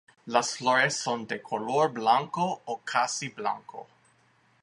Las flores son de color blanco o casi blanco.